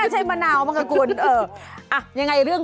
เอ้ยยยยยยยยยยยยยยให้มะนาวบางกับคุณ